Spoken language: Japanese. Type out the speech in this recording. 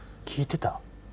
聞いてた？